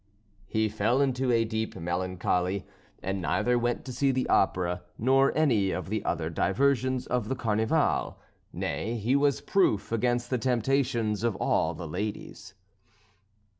He fell into a deep melancholy, and neither went to see the opera, nor any of the other diversions of the Carnival; nay, he was proof against the temptations of all the ladies.